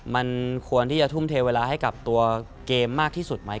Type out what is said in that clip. มันควรที่จะทุ่มเทเวลาให้กับตัวเกมมากที่สุดไหม